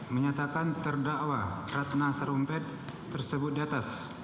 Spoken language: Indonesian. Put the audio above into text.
menyatakan terdakwa ratna soropaya tersebut diatas